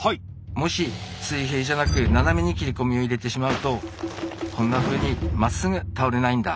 もし水平じゃなく斜めに切れ込みを入れてしまうとこんなふうにまっすぐ倒れないんだ。